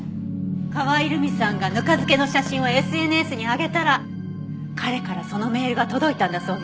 可愛ルミさんがぬか漬けの写真をＳＮＳにあげたら彼からそのメールが届いたんだそうよ。